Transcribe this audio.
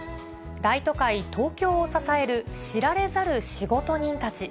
大都会東京を支える知られざる仕事人たち。